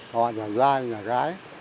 hoặc là giai hay là gái